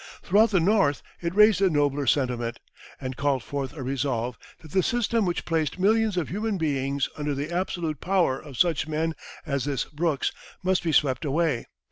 Throughout the North it raised a nobler sentiment, and called forth a resolve that the system which placed millions of human beings under the absolute power of such men as this Brooks must be swept away.